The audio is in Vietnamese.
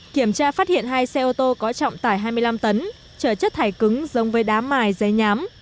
kiểm tra phát hiện hai xe ô tô có trọng tải hai mươi năm tấn trở chất thải cứng giống với đá mài giấy nhám